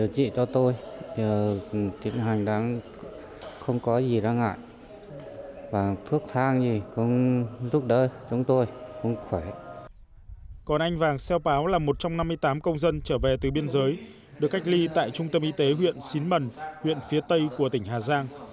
còn anh vàng xeo páo là một trong năm mươi tám công dân trở về từ biên giới được cách ly tại trung tâm y tế huyện xín mần huyện phía tây của tỉnh hà giang